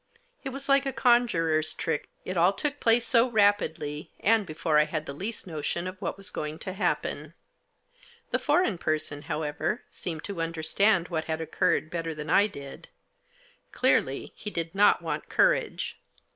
It was like a conjuror's trick, it all took place so rapidly, and before I had the least notion of what was going to happen. The foreign person, however, seemed to understand what had occurred better than I did. Clearly he did not want courage.